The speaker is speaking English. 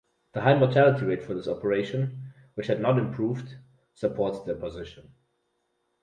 The high mortality rate for this operation, which had not improved, supports their position.